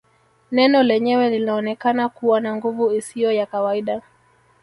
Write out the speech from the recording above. Neno lenyewe linaonekana kuwa na nguvu isiyo ya kawaida